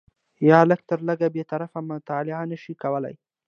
یا لږ تر لږه بې طرفه مطالعه نه شي کولای